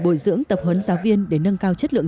bồi dưỡng tập hấn giáo viên để nâng cao chất lượng